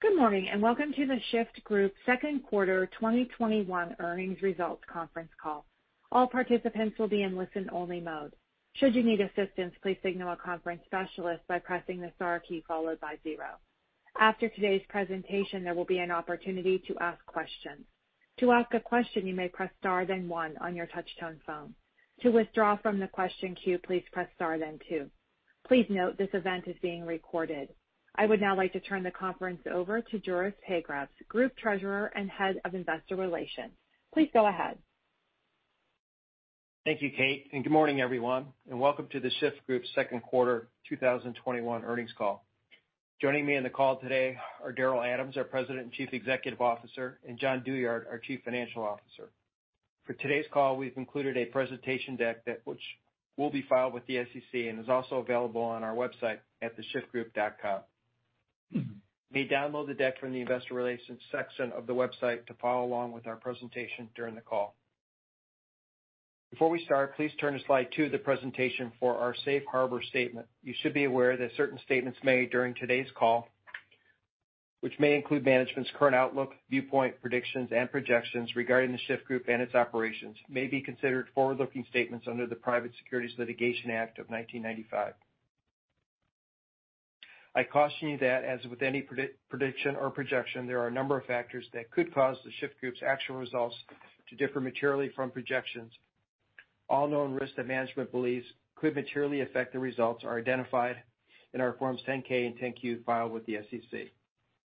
Good morning, and welcome to The Shyft Group second quarter 2021 earnings results conference call. All participants will be in listen only mode, should you need assistance please signal a conference specialist by pressing the star key followed by zero. After today's presentation there will be an opportunity to ask question. To ask the question please, you may press star then one on you touch tone phone. To withdraw from question queue please press star then two. Please note this advantage is in recorded. I would now like to turn the conference over to Juris Pagrabs, Group Treasurer and Head of Investor Relations. Please go ahead. Thank you, Kate, and good morning, everyone, and welcome to The Shyft Group's second quarter 2021 earnings call. Joining me on the call today are Daryl Adams, our President and Chief Executive Officer, and Jon Douyard, our Chief Financial Officer. For today's call, we've included a presentation deck which will be filed with the SEC and is also available on our website at theshyftgroup.com. You may download the deck from the investor relations section of the website to follow along with our presentation during the call. Before we start, please turn to slide two of the presentation for our safe harbor statement. You should be aware that certain statements made during today's call, which may include management's current outlook, viewpoint, predictions, and projections regarding The Shyft Group and its operations, may be considered forward-looking statements under the Private Securities Litigation Reform Act of 1995. I caution you that, as with any prediction or projection, there are a number of factors that could cause The Shyft Group's actual results to differ materially from projections. All known risks that management believes could materially affect the results are identified in our Forms 10-K and 10-Q filed with the SEC.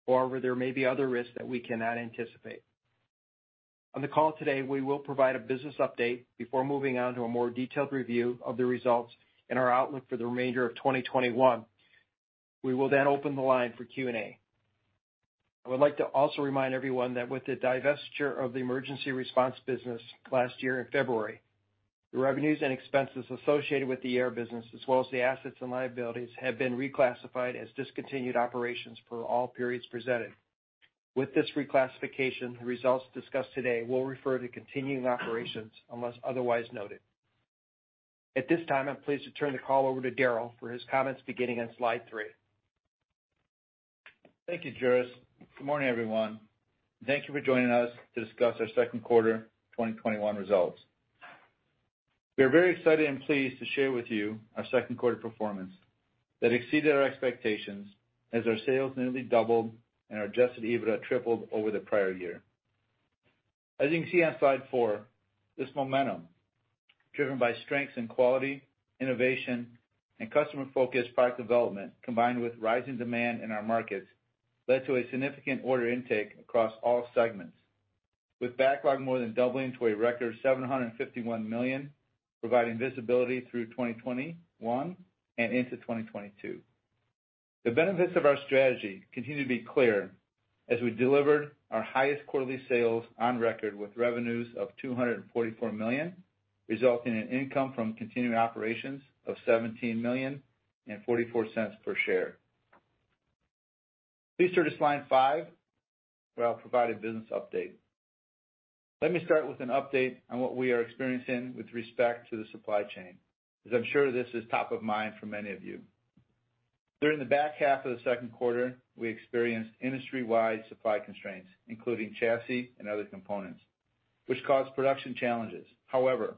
However, there may be other risks that we cannot anticipate. On the call today, we will provide a business update before moving on to a more detailed review of the results and our outlook for the remainder of 2021. We will then open the line for Q&A. I would like to also remind everyone that with the divestiture of the emergency response business last year in February, the revenues and expenses associated with the ER business, as well as the assets and liabilities, have been reclassified as discontinued operations per all periods presented. With this reclassification, the results discussed today will refer to continuing operations unless otherwise noted. At this time, I'm pleased to turn the call over to Daryl for his comments beginning on slide three. Thank you, Juris. Good morning, everyone, and thank you for joining us to discuss our second quarter 2021 results. We are very excited and pleased to share with you our second quarter performance that exceeded our expectations as our sales nearly doubled and our adjusted EBITDA tripled over the prior year. As you can see on slide four, this momentum, driven by strengths in quality, innovation, and customer-focused product development, combined with rising demand in our markets, led to a significant order intake across all segments. With backlog more than doubling to a record $751 million, providing visibility through 2021 and into 2022. The benefits of our strategy continue to be clear as we delivered our highest quarterly sales on record with revenues of $244 million, resulting in income from continuing operations of $17 million and $0.44 per share. Please turn to slide five, where I'll provide a business update. Let me start with an update on what we are experiencing with respect to the supply chain, as I'm sure this is top of mind for many of you. During the back half of the second quarter, we experienced industry-wide supply constraints, including chassis and other components, which caused production challenges. However,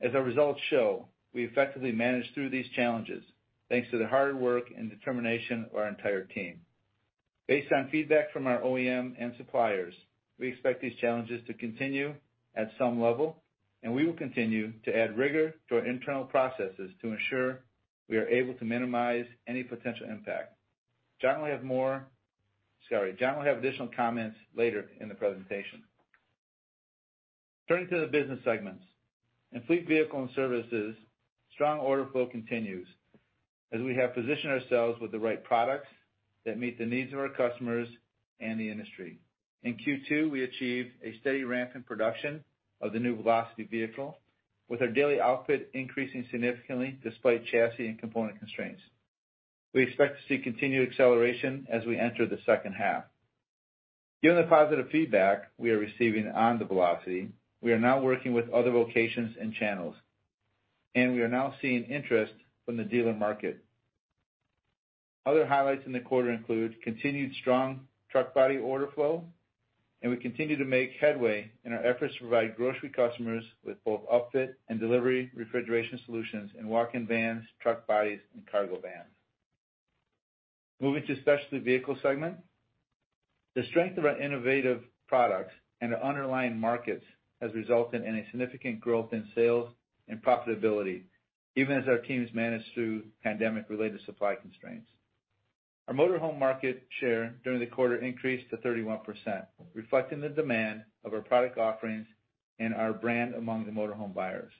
as our results show, we effectively managed through these challenges thanks to the hard work and determination of our entire team. Based on feedback from our OEM and suppliers, we expect these challenges to continue at some level, and we will continue to add rigor to our internal processes to ensure we are able to minimize any potential impact. Jon will have additional comments later in the presentation. Turning to the business segments. In Fleet Vehicles and Services, strong order flow continues as we have positioned ourselves with the right products that meet the needs of our customers and the industry. In Q2, we achieved a steady ramp in production of the new Velocity vehicle, with our daily output increasing significantly despite chassis and component constraints. We expect to see continued acceleration as we enter the second half. Given the positive feedback we are receiving on the Velocity, we are now working with other locations and channels, and we are now seeing interest from the dealer market. Other highlights in the quarter include continued strong truck body order flow, and we continue to make headway in our efforts to provide grocery customers with both upfit and delivery refrigeration solutions in walk-in vans, truck bodies, and cargo vans. Moving to specialty vehicles segment. The strength of our innovative products and the underlying markets has resulted in a significant growth in sales and profitability, even as our teams managed through pandemic-related supply constraints. Our motorhome market share during the quarter increased to 31%, reflecting the demand of our product offerings and our brand among the motorhome buyers.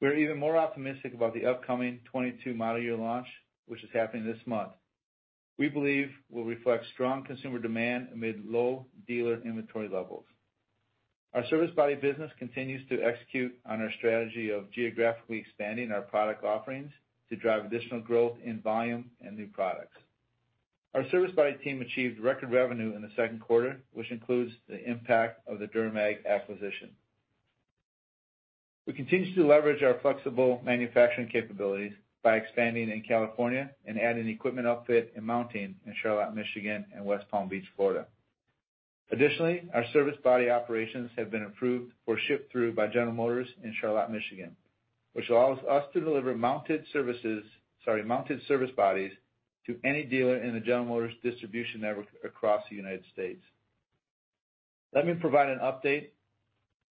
We are even more optimistic about the upcoming 2022 model year launch, which is happening this month. We believe will reflect strong consumer demand amid low dealer inventory levels. Our service body business continues to execute on our strategy of geographically expanding our product offerings to drive additional growth in volume and new products. Our service body team achieved record revenue in the second quarter, which includes the impact of the DuraMag acquisition. We continue to leverage our flexible manufacturing capabilities by expanding in California and adding equipment upfit and mounting in Charlotte, Michigan, and West Palm Beach, Florida. Additionally, our service body operations have been approved for ship-through by General Motors in Charlotte, Michigan, which allows us to deliver mounted service bodies to any dealer in the General Motors distribution network across the United States. Let me provide an update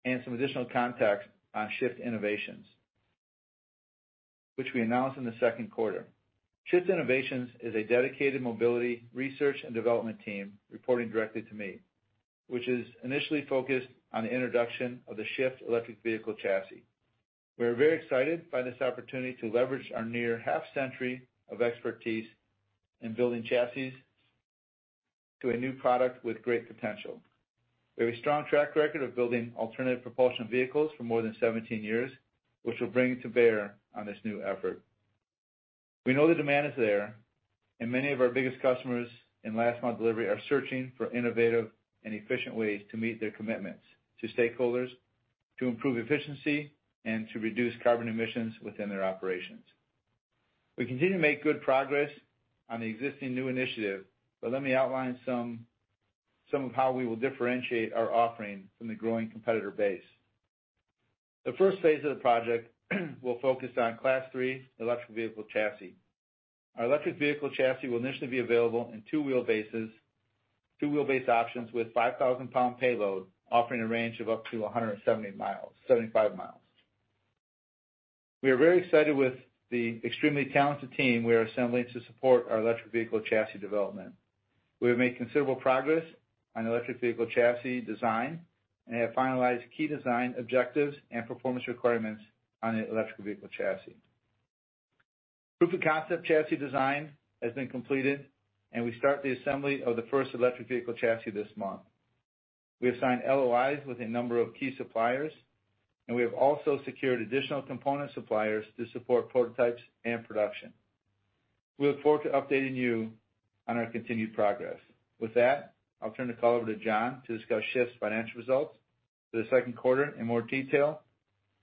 and some additional context on Shyft Innovations, which we announced in the second quarter. Shyft Innovations is a dedicated mobility research and development team reporting directly to me, which is initially focused on the introduction of the Shyft electric vehicle chassis. We are very excited by this opportunity to leverage our near half-century of expertise in building chassis to a new product with great potential. We have a strong track record of building alternative propulsion vehicles for more than 17 years, which we're bringing to bear on this new effort. We know the demand is there, and many of our biggest customers in last mile delivery are searching for innovative and efficient ways to meet their commitments to stakeholders, to improve efficiency, and to reduce carbon emissions within their operations. We continue to make good progress on the existing new initiative, but let me outline some of how we will differentiate our offering from the growing competitor base. The first phase of the project will focus on Class 3 electric vehicle chassis. Our electric vehicle chassis will initially be available in two wheel-based options with 5,000-pound payload, offering a range of up to 175 miles. We are very excited with the extremely talented team we are assembling to support our electric vehicle chassis development. We have made considerable progress on the electric vehicle chassis design and have finalized key design objectives and performance requirements on the electric vehicle chassis. Proof of concept chassis design has been completed, and we start the assembly of the first electric vehicle chassis this month. We have signed LOIs with a number of key suppliers, and we have also secured additional component suppliers to support prototypes and production. We look forward to updating you on our continued progress. With that, I'll turn the call over to Jon to discuss Shyft's financial results for the second quarter in more detail,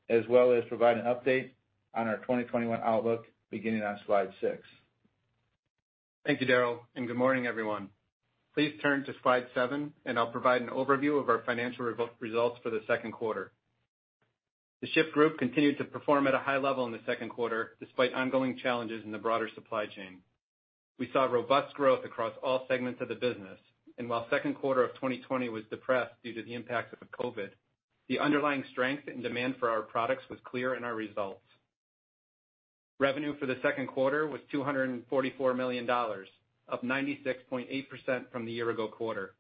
as well as provide an update on our 2021 outlook beginning on slide six. Thank you, Daryl. Good morning, everyone. Please turn to slide seven, and I'll provide an overview of our financial results for the second quarter. The Shyft Group continued to perform at a high level in the second quarter, despite ongoing challenges in the broader supply chain. We saw robust growth across all segments of the business. While second quarter of 2020 was depressed due to the impact of COVID, the underlying strength and demand for our products was clear in our results. Revenue for the second quarter was $244 million, up 96.8% from the year-ago quarter.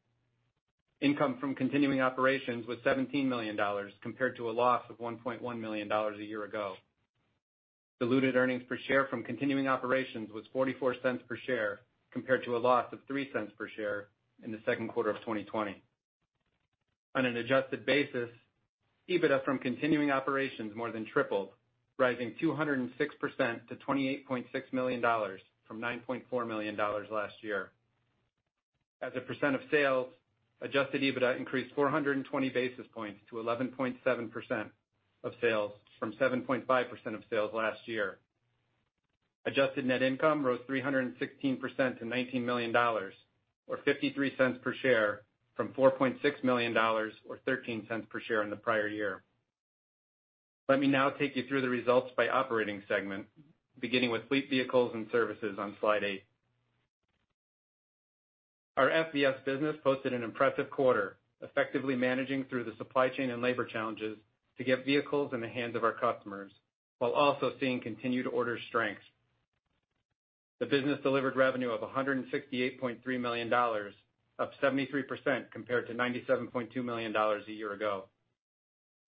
Income from continuing operations was $17 million compared to a loss of $1.1 million a year ago. Diluted earnings per share from continuing operations was $0.44 per share compared to a loss of $0.03 per share in the second quarter of 2020. On an adjusted basis, EBITDA from continuing operations more than tripled, rising 206% to $28.6 million from $9.4 million last year. As a percent of sales, adjusted EBITDA increased 420 basis points to 11.7% of sales from 7.5% of sales last year. Adjusted net income rose 316% to $19 million, or $0.53 per share from $4.6 million or $0.13 per share in the prior year. Let me now take you through the results by operating segment, beginning with Fleet Vehicles and Services on slide eight. Our FVS business posted an impressive quarter, effectively managing through the supply chain and labor challenges to get vehicles in the hands of our customers while also seeing continued order strength. The business delivered revenue of $168.3 million, up 73% compared to $97.2 million a year ago.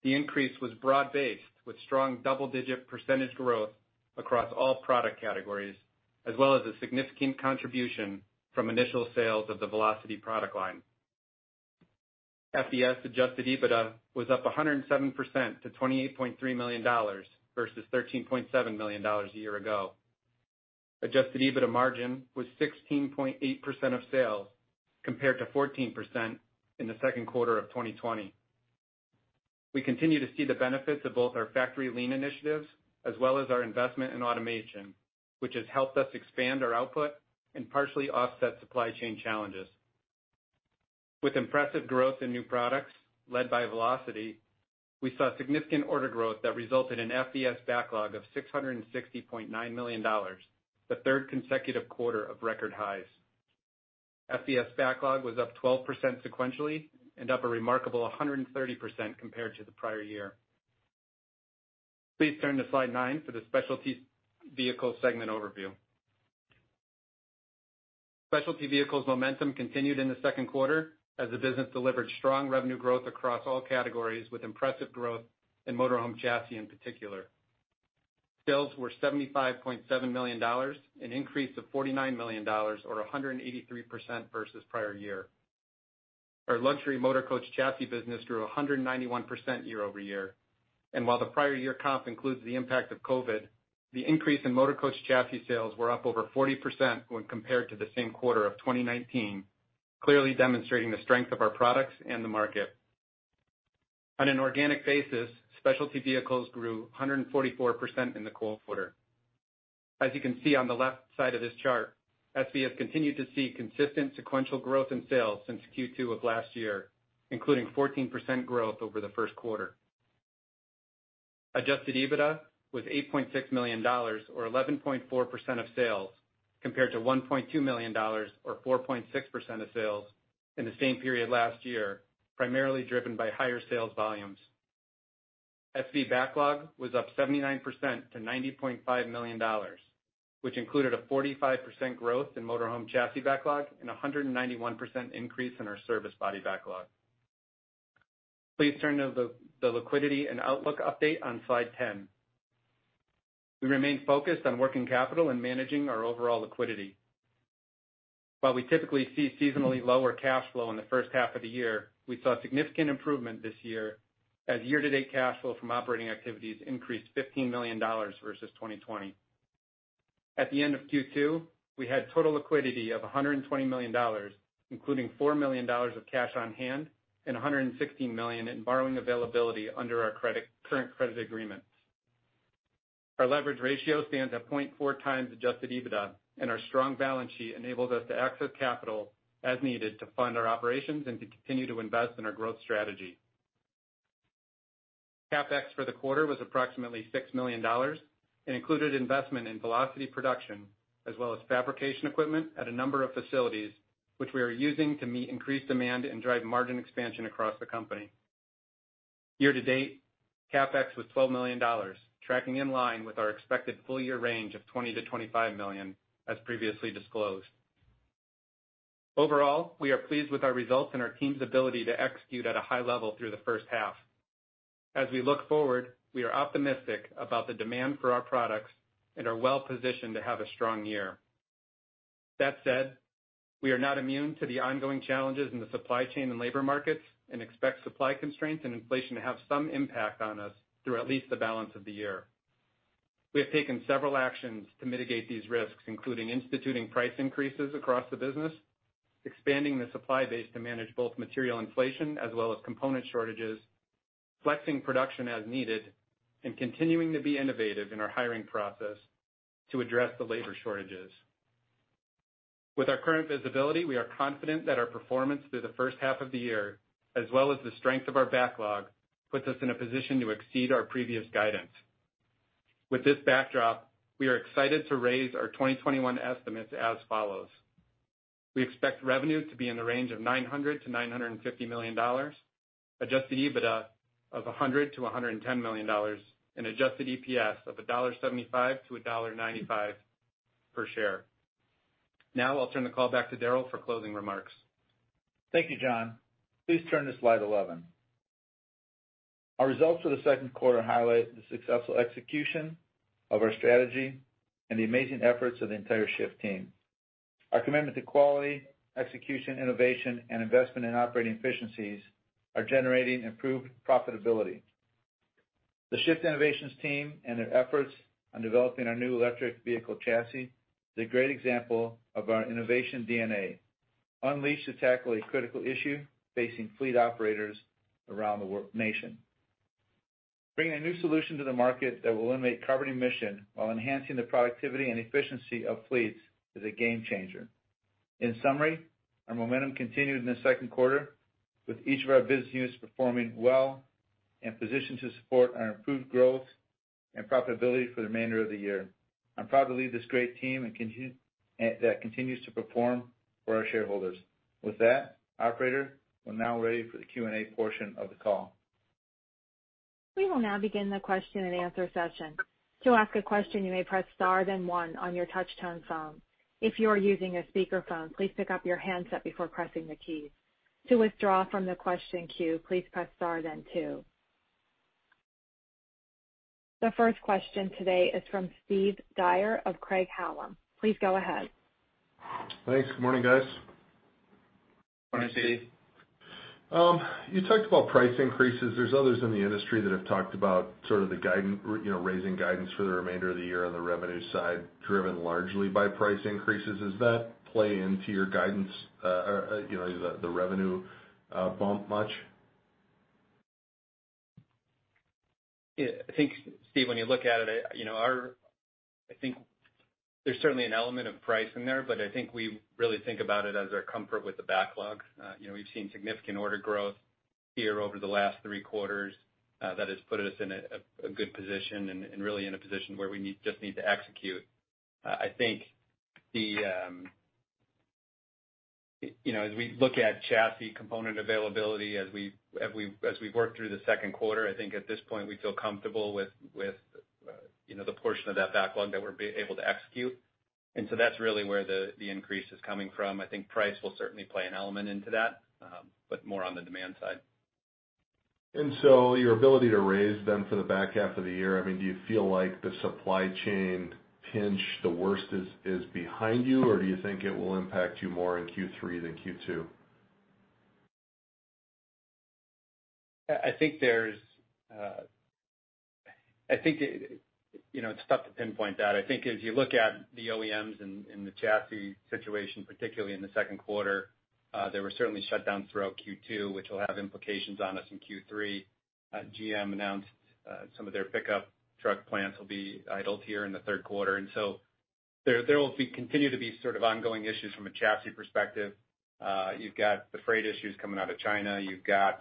The increase was broad-based with strong double-digit percentage growth across all product categories, as well as a significant contribution from initial sales of the Velocity product line. FVS adjusted EBITDA was up 107% to $28.3 million versus $13.7 million a year ago. Adjusted EBITDA margin was 16.8% of sales compared to 14% in the second quarter of 2020. We continue to see the benefits of both our factory lean initiatives as well as our investment in automation, which has helped us expand our output and partially offset supply chain challenges. With impressive growth in new products led by Velocity, we saw significant order growth that resulted in FVS backlog of $660.9 million, the third consecutive quarter of record highs. FVS backlog was up 12% sequentially and up a remarkable 130% compared to the prior year. Please turn to slide nine for the Specialty Vehicles segment overview. Specialty Vehicles momentum continued in the second quarter as the business delivered strong revenue growth across all categories with impressive growth in motor home chassis in particular. Sales were $75.7 million, an increase of $49 million, or 183% versus prior year. Our luxury motor coach chassis business grew 191% year-over-year. While the prior year comp includes the impact of COVID, the increase in motor coach chassis sales were up over 40% when compared to the same quarter of 2019, clearly demonstrating the strength of our products and the market. On an organic basis, specialty vehicles grew 144% in the quarter. As you can see on the left side of this chart, SV has continued to see consistent sequential growth in sales since Q2 of last year, including 14% growth over the first quarter. Adjusted EBITDA was $8.6 million, or 11.4% of sales, compared to $1.2 million or 4.6% of sales in the same period last year, primarily driven by higher sales volumes. SV backlog was up 79% to $90.5 million, which included a 45% growth in motor home chassis backlog and 191% increase in our service body backlog. Please turn to the liquidity and outlook update on slide 10. We remain focused on working capital and managing our overall liquidity. While we typically see seasonally lower cash flow in the first half of the year, we saw significant improvement this year as year-to-date cash flow from operating activities increased $15 million versus 2020. At the end of Q2, we had total liquidity of $120 million, including $4 million of cash on hand and $116 million in borrowing availability under our current credit agreements. Our leverage ratio stands at 0.4 times adjusted EBITDA, and our strong balance sheet enables us to access capital as needed to fund our operations and to continue to invest in our growth strategy. CapEx for the quarter was approximately $6 million and included investment in Velocity production as well as fabrication equipment at a number of facilities, which we are using to meet increased demand and drive margin expansion across the company. Year to date, CapEx was $12 million, tracking in line with our expected full year range of $20 million-$25 million, as previously disclosed. Overall, we are pleased with our results and our team's ability to execute at a high level through the first half. As we look forward, we are optimistic about the demand for our products and are well positioned to have a strong year. That said, we are not immune to the ongoing challenges in the supply chain and labor markets and expect supply constraints and inflation to have some impact on us through at least the balance of the year. We have taken several actions to mitigate these risks, including instituting price increases across the business, expanding the supply base to manage both material inflation as well as component shortages, flexing production as needed, and continuing to be innovative in our hiring process to address the labor shortages. With our current visibility, we are confident that our performance through the first half of the year, as well as the strength of our backlog, puts us in a position to exceed our previous guidance. With this backdrop, we are excited to raise our 2021 estimates as follows. We expect revenue to be in the range of $900 million-$950 million, adjusted EBITDA of $100 million-$110 million and adjusted EPS of $1.75-$1.95 per share. Now I'll turn the call back to Daryl for closing remarks. Thank you, Jon. Please turn to slide 11. Our results for the second quarter highlight the successful execution of our strategy and the amazing efforts of the entire Shyft team. Our commitment to quality, execution, innovation, and investment in operating efficiencies are generating improved profitability. The Shyft Innovations team and their efforts on developing our new electric vehicle chassis is a great example of our innovation DNA, unleashed to tackle a critical issue facing fleet operators around the nation. Bringing a new solution to the market that will eliminate carbon emission while enhancing the productivity and efficiency of fleets is a game changer. In summary, our momentum continued in the second quarter with each of our business units performing well and positioned to support our improved growth and profitability for the remainder of the year. I'm proud to lead this great team that continues to perform for our shareholders. With that, operator, we're now ready for the Q&A portion of the call. We will now begin the question and answer session. To ask a question, you may press star then one on your touchtone phone. If you are using a speakerphone, please pick up your handset before pressing the key. To withdraw from the question queue, please press star then two. The first question today is from Steve Dyer of Craig-Hallum. Please go ahead. Thanks. Morning, guys. Morning, Steve. You talked about price increases. There's others in the industry that have talked about sort of the raising guidance for the remainder of the year on the revenue side, driven largely by price increases. Does that play into your guidance, the revenue bump much? Yeah. I think, Steve, when you look at it, I think there's certainly an element of price in there, but I think we really think about it as our comfort with the backlog. We've seen significant order growth here over the last three quarters that has put us in a good position and really in a position where we just need to execute. I think as we look at chassis component availability, as we've worked through the second quarter, I think at this point, we feel comfortable with the portion of that backlog that we're able to execute. That's really where the increase is coming from. I think price will certainly play an element into that but more on the demand side. Your ability to raise them for the back half of the year, do you feel like the supply chain pinch, the worst is behind you, or do you think it will impact you more in Q3 than Q2? I think it's tough to pinpoint that. I think as you look at the OEMs and the chassis situation, particularly in the second quarter, there were certainly shutdowns throughout Q2, which will have implications on us in Q3. GM announced some of their pickup truck plants will be idled here in the third quarter. There will continue to be sort of ongoing issues from a chassis perspective. You've got the freight issues coming out of China, you've got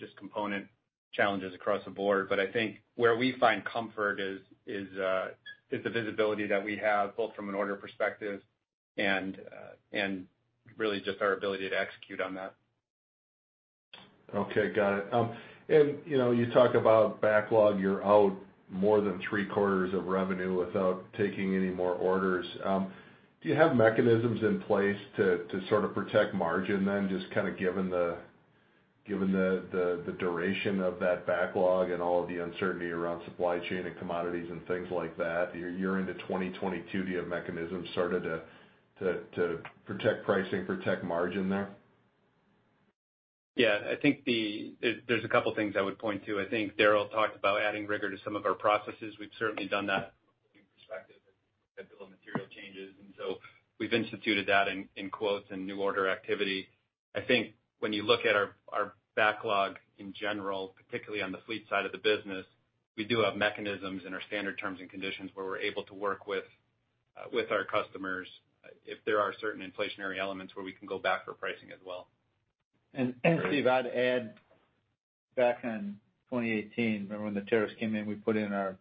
just component challenges across the board. But I think where we find comfort is the visibility that we have, both from an order perspective and really just our ability to execute on that. Okay. Got it. You talk about backlog. You're out more than three-quarters of revenue without taking any more orders. Do you have mechanisms in place to sort of protect margin, then, just kind of given the duration of that backlog and all of the uncertainty around supply chain and commodities and things like that? You're into 2022. Do you have mechanisms started to protect pricing, protect margin there? Yeah, I think there's a couple things I would point to. I think Daryl talked about adding rigor to some of our processes. We've certainly done that from a new perspective as we look at bill of material changes. So we've instituted that in quotes and new order activity. I think when you look at our backlog in general, particularly on the fleet side of the business, we do have mechanisms in our standard terms and conditions where we're able to work with our customers if there are certain inflationary elements where we can go back for pricing as well. Steve, I'd add back in 2018, remember when the tariffs came in, we put in our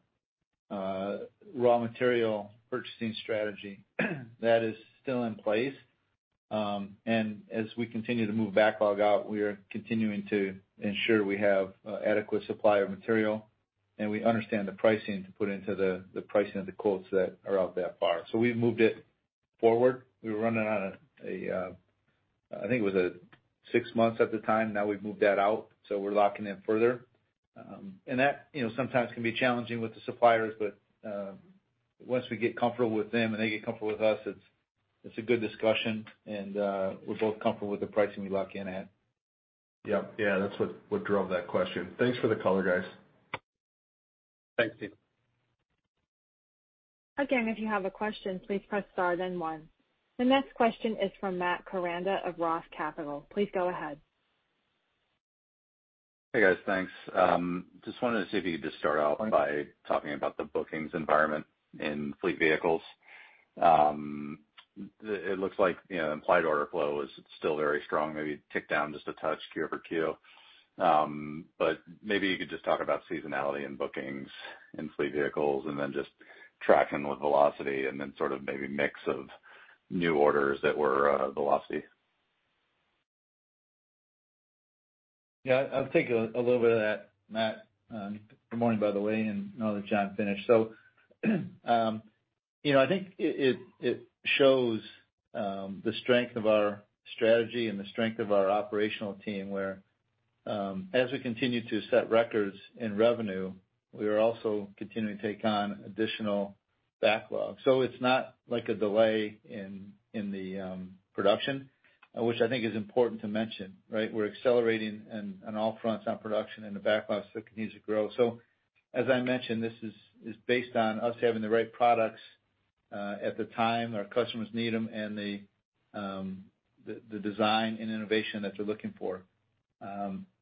raw material purchasing strategy. That is still in place. As we continue to move backlog out, we are continuing to ensure we have adequate supply of material, and we understand the pricing to put into the pricing of the quotes that are out that far. We've moved it forward. We were running on six months at the time. Now we've moved that out, so we're locking in further. That sometimes can be challenging with the suppliers. Once we get comfortable with them and they get comfortable with us, it's a good discussion, and we're both comfortable with the pricing we lock in at. Yep. Yeah, that's what drove that question. Thanks for the color, guys. Thanks, Steve. If you have a question, please press star then one. The next question is from Matt Koranda of Roth Capital. Please go ahead. Hey, guys. Thanks. Just wanted to see if you could just start out by talking about the bookings environment in Fleet Vehicles and Services. It looks like implied order flow is still very strong, maybe ticked down just a touch Q over Q. Maybe you could just talk about seasonality in bookings in Fleet Vehicles and then just tracking with Velocity and then sort of maybe mix of new orders that were Velocity. Yeah. I'll take a little bit of that, Matt. Good morning, by the way. Know that Jon finished. I think it shows the strength of our strategy and the strength of our operational team where as we continue to set records in revenue, we are also continuing to take on additional backlog. It's not like a delay in the production, which I think is important to mention, right? We're accelerating on all fronts on production and the backlog still continues to grow. As I mentioned, this is based on us having the right products at the time our customers need them and the design and innovation that they're looking for.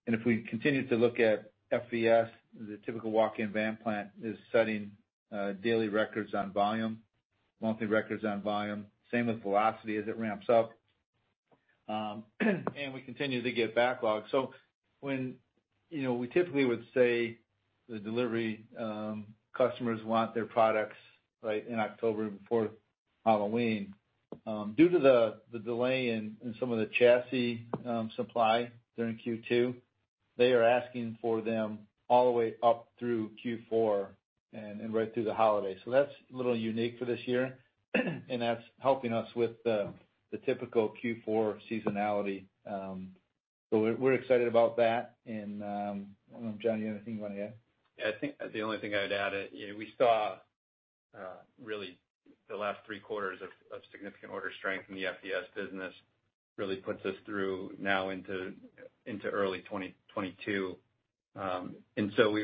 If we continue to look at FVS, the typical walk-in van plant is setting daily records on volume, monthly records on volume. Same with Velocity as it ramps up. We continue to get backlog. We typically would say the delivery customers want their products in October before Halloween. Due to the delay in some of the chassis supply during Q2, they are asking for them all the way up through Q4 and right through the holidays. That's a little unique for this year, and that's helping us with the typical Q4 seasonality. We're excited about that. I don't know, Jon, you have anything you want to add? I think the only thing I'd add, we saw really the last three quarters of significant order strength in the FVS business really puts us through now into early 2022.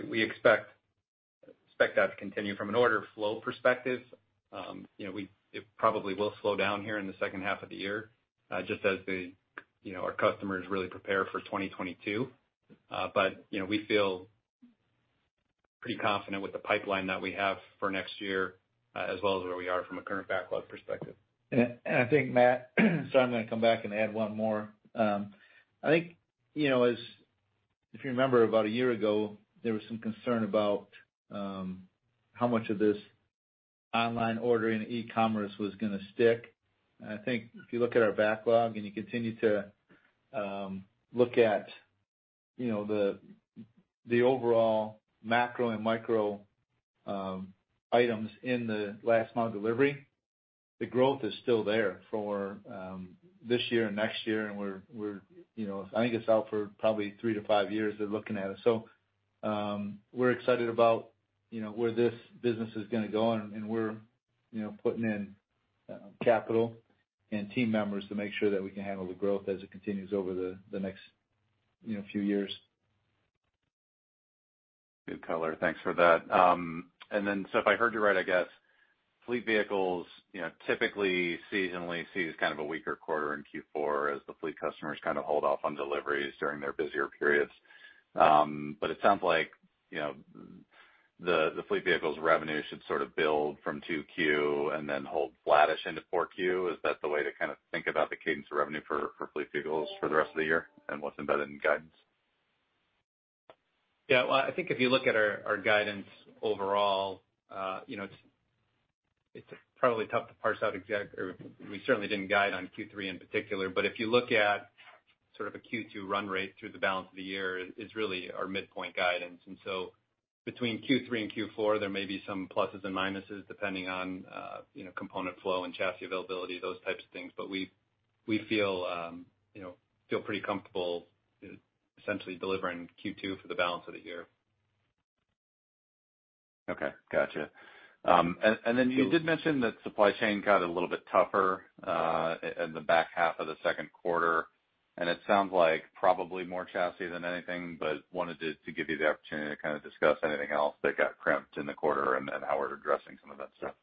We expect that to continue from an order flow perspective. It probably will slow down here in the second half of the year just as our customers really prepare for 2022. We feel pretty confident with the pipeline that we have for next year as well as where we are from a current backlog perspective. I think, Matt, sorry, I'm going to come back and add one more. I think as if you remember about a year ago, there was some concern about how much of this online ordering e-commerce was going to stick. I think if you look at our backlog and you continue to look at the overall macro and micro items in the last mile delivery, the growth is still there for this year and next year, and I think it's out for probably three-five years, they're looking at it. We're excited about where this business is going to go, and we're putting in capital and team members to make sure that we can handle the growth as it continues over the next few years. Good color. Thanks for that. If I heard you right, I guess Fleet Vehicles typically seasonally sees kind of a weaker quarter in Q4 as the fleet customers kind of hold off on deliveries during their busier periods. It sounds like the Fleet Vehicles revenue should sort of build from 2Q and then hold flattish into 4Q. Is that the way to kind of think about the cadence of revenue for Fleet Vehicles for the rest of the year and what's embedded in guidance? Well, I think if you look at our guidance overall, it's probably tough to parse out or we certainly didn't guide on Q3 in particular. If you look at sort of a Q2 run rate through the balance of the year, it's really our midpoint guidance. Between Q3 and Q4, there may be some pluses and minuses depending on component flow and chassis availability, those types of things. We feel pretty comfortable essentially delivering Q2 for the balance of the year. Okay. Gotcha. You did mention that supply chain got a little bit tougher in the back half of the second quarter, and it sounds like probably more chassis than anything. Wanted to give you the opportunity to kind of discuss anything else that got crimped in the quarter and how we're addressing some of that stuff.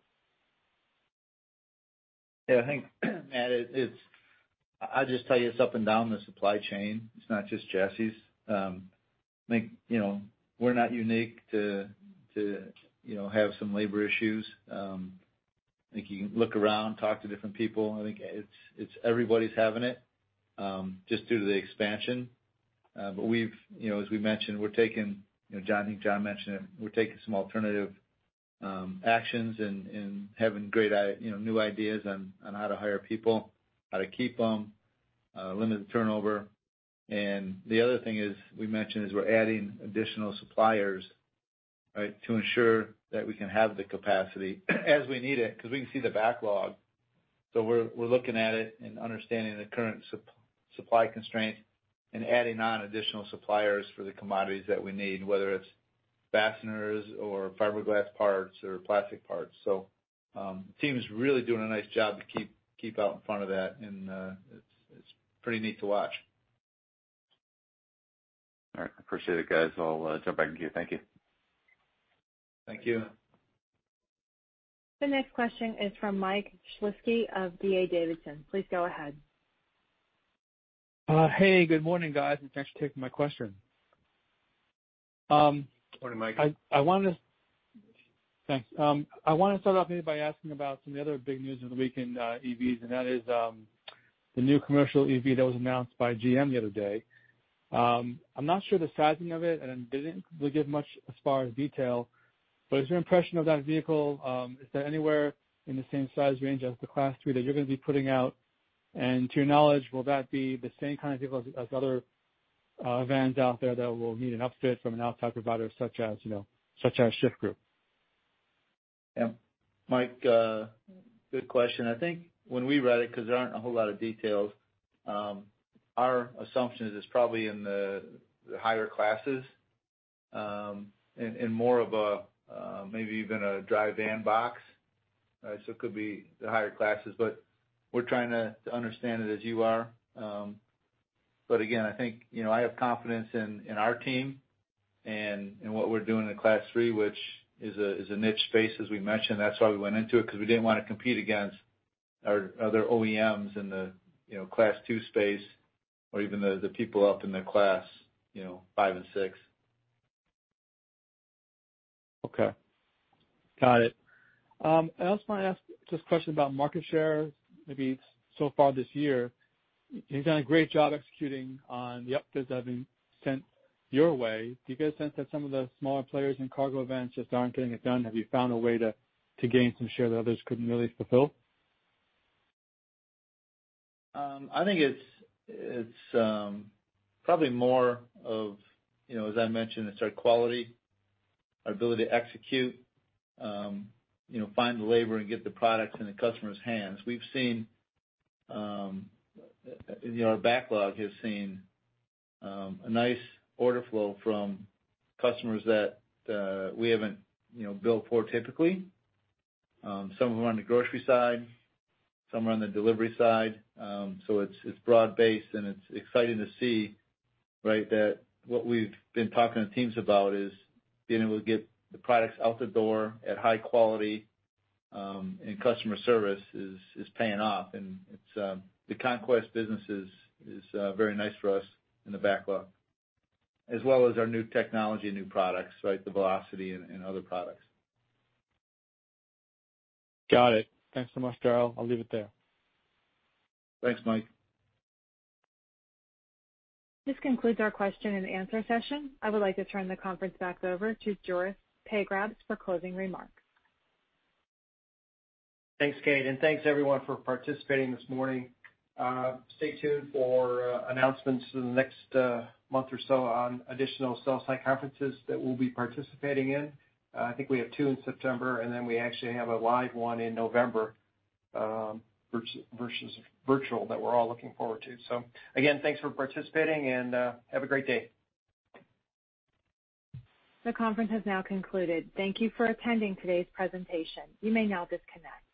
Yeah, I think, Matt, I'll just tell you it's up and down the supply chain. It's not just chassis. I think we're not unique to have some labor issues. I think you can look around, talk to different people. I think everybody's having it, just due to the expansion. As we mentioned, I think Jon mentioned it, we're taking some alternative actions and having great new ideas on how to hire people, how to keep them, limit the turnover. The other thing is we mentioned is we're adding additional suppliers to ensure that we can have the capacity as we need it, because we can see the backlog. We're looking at it and understanding the current supply constraint and adding on additional suppliers for the commodities that we need, whether it's fasteners or fiberglass parts or plastic parts. The team is really doing a nice job to keep out in front of that, and it's pretty neat to watch. All right. Appreciate it, guys. I'll jump back in queue. Thank you. Thank you. The next question is from Mike Shlisky of D.A. Davidson. Please go ahead. Hey, good morning, guys, and thanks for taking my question. Morning, Mike. Thanks. I want to start off maybe by asking about some of the other big news of the week in EVs, that is the new commercial EV that was announced by GM the other day. I'm not sure the sizing of it, they didn't really give much as far as detail, is your impression of that vehicle, is that anywhere in the same size range as the Class 3 that you're going to be putting out? To your knowledge, will that be the same kind of vehicle as other vans out there that will need an upfit from an outside provider such as The Shyft Group? Mike, good question. I think when we read it, because there aren't a whole lot of details, our assumption is it's probably in the higher classes, in more of maybe even a dry van box. It could be the higher classes. We're trying to understand it as you are. Again, I think I have confidence in our team and in what we're doing in Class 3, which is a niche space, as we mentioned. That's why we went into it, because we didn't want to compete against other OEMs in the Class 2 space or even the people up in the Class 5 and 6. Okay. Got it. I also want to ask just a question about market share, maybe so far this year. You've done a great job executing on the upfits that have been sent your way. Do you get a sense that some of the smaller players in cargo vans just aren't getting it done? Have you found a way to gain some share that others couldn't really fulfill? I think it's probably more of, as I mentioned, it's our quality, our ability to execute, find the labor and get the products in the customers' hands. We've seen our backlog has seen a nice order flow from customers that we haven't billed for typically. Some of them are on the grocery side, some are on the delivery side. It's broad-based, and it's exciting to see that what we've been talking to teams about is being able to get the products out the door at high quality, and customer service is paying off. The Conquest business is very nice for us in the backlog, as well as our new technology and new products, the Velocity and other products. Got it. Thanks so much, Daryl. I'll leave it there. Thanks, Mike. This concludes our question and answer session. I would like to turn the conference back over to Juris Pagrabs for closing remarks. Thanks, Kate. Thanks everyone for participating this morning. Stay tuned for announcements in the next month or so on additional sell-side conferences that we'll be participating in. I think we have two in September. We actually have a live one in November, virtual, that we're all looking forward to. Again, thanks for participating and have a great day. The conference has now concluded. Thank you for attending today's presentation. You may now disconnect.